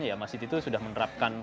ya masjid itu sudah menerapkan